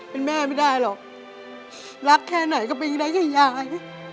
เป็นแม่ไม่ได้หรอกรักแค่ไหนก็เป็นได้แค่ยาย